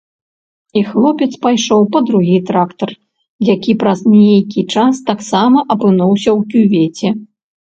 І хлопец пайшоў па другі трактар, які праз нейкі час таксама апынуўся ў кювеце.